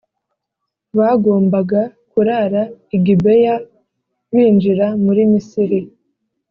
bagombaga kurara i Gibeya Binjira muri misiri